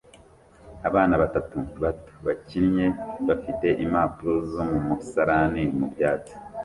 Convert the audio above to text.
Abana batatu bato bakinnye bafite impapuro zo mu musarani mu byatsi